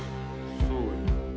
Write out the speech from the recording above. そうよ。